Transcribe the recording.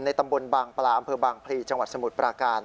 ตำบลบางปลาอำเภอบางพลีจังหวัดสมุทรปราการ